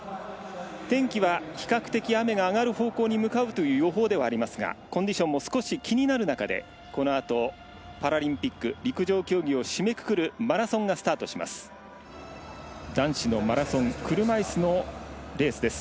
天気は比較的雨が上がる方向に向かうという予報ではありますがコンディションも気になる中でこのあとパラリンピック陸上競技締めくくるマラソンがスタートします。